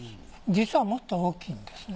実はもっと大きいんですね。